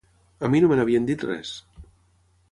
A mi no me n'havien dit res.